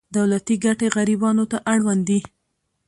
دولتي ګټې غریبانو ته اړوند دي.